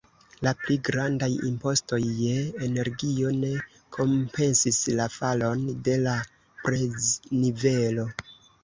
La pli grandaj impostoj je energio ne kompensis la falon de la preznivelo.